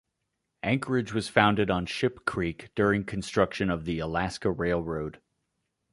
Anchorage was founded on Ship Creek during construction of the Alaska Railroad.